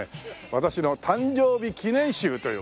私の誕生日記念週という。